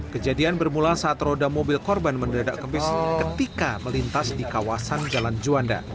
kejadian bermula saat roda mobil korban mendadak ke bis ketika melintas di kawasan jalan juanda